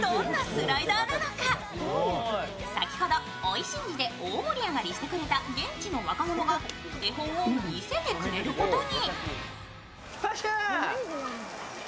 先ほど、おいしんじで大盛り上がりしてくれた現地の若者がお手本を見せてくれることに。